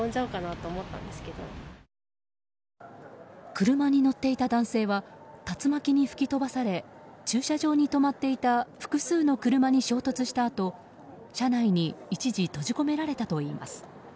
車に乗っていた男性は竜巻に吹き飛ばされ駐車場に止まっていた複数の車に衝突したあと車内に一時閉じ込められたといいます。